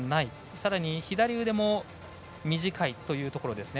さらに、左腕も短いというところですね。